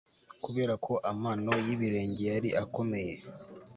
Kubera ko amano y ibirenge yari akomeye